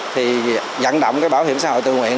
thì dẫn động cái bảo hiểm xã hội tự nguyện